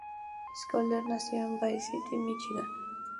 Schroeder, y nació en Bay City, Michigan.